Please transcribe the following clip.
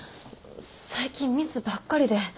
最近ミスばっかりで。